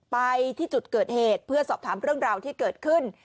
ไปที่จุดเกิดเหตุเพื่อสอบถามเรื่องราวที่เกิดขึ้น